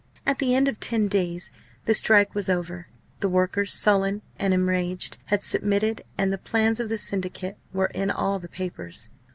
At the end of ten days the strike was over; the workers, sullen and enraged, had submitted, and the plans of the Syndicate were in all the papers.